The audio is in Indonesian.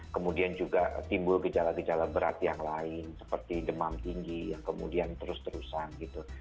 kemudian juga timbul gejala gejala berat yang lain seperti demam tinggi yang kemudian terus terusan gitu